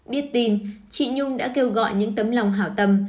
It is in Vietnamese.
biết tin chị nhung đã kêu gọi những tấm lòng hảo tâm